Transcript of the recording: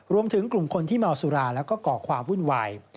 รวมถึงกลุ่มคนที่เมาสุราแล้วก็ก่อความวุ่นวาย